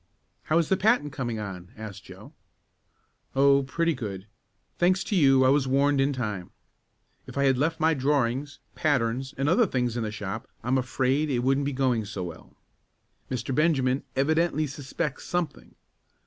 "How is the patent coming on?" asked Joe. "Oh, pretty good. Thanks to you I was warned in time. If I had left my drawings, patterns and other things in the shop I'm afraid it wouldn't be going so well. Mr. Benjamin evidently suspects something.